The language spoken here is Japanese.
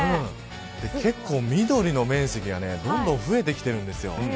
結構緑の面積がどんどん増えてきているんですよ。